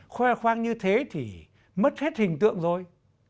khoe khoang như thế thì mất hết hình tượng rồi